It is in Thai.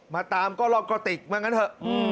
มาตามก็ลอกกระติกมางั้นเถอะ